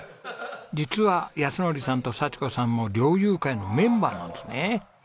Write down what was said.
実は靖憲さんと佐千子さんも猟友会のメンバーなんですね。